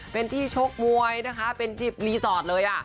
เป็นที่ชกมวยนะคะเป็นรีสอร์ทเลย